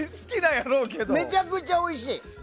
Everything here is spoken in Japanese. めちゃくちゃおいしい。